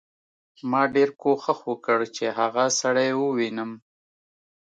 ما ډېر کوښښ وکړ چې هغه سړی ووینم